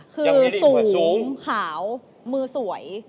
คือสูงขาวมือสวย